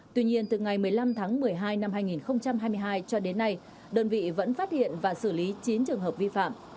tuy nhiên từ ngày một mươi năm tháng một mươi hai năm hai nghìn hai mươi hai cho đến nay đơn vị vẫn phát hiện và xử lý chín trường hợp vi phạm